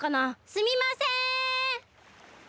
すみません！